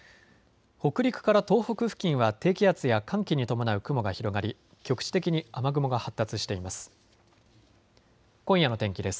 北陸から東北付近は低気圧や寒気に伴う雲が広がり局地的に雨雲が発達しています。